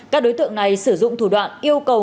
các đối tượng này sử dụng thủ đoạn yêu cầu